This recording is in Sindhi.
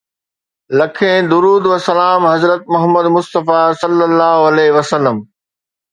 لکين درود و سلام حضرت محمد مصطفيٰ صلي الله عليه وسلم.